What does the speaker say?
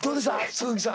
鈴木さん